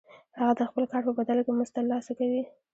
هغه د خپل کار په بدل کې مزد ترلاسه کوي